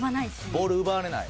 ボール奪われない。